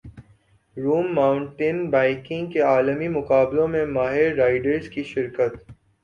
روم mountain biking کے عالمی مقابلوں میں ماہر رائیڈرز کی شرکت